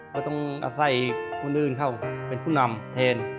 ก็ต้องอาศัยคนอื่นเข้าเป็นผู้นำแทน